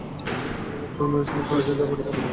আমি আমার সামর্থ্য অনুযায়ী যা পারি বানাবো।